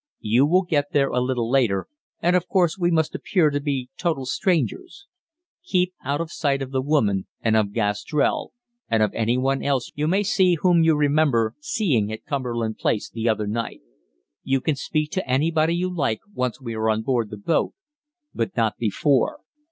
You will get there a little later, and of course we must appear to be total strangers. Keep out of sight of the woman, and of Gastrell, and of anyone else you may see whom you remember seeing at Cumberland Place the other night. You can speak to anybody you like once we are on board the boat, but not before.